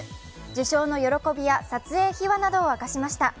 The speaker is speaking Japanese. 受賞の喜びや撮影秘話などを明かしました。